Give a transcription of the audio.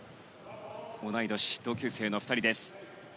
同い年、同級生の２人です。